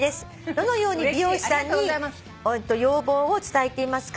「どのように美容師さんに要望を伝えていますか？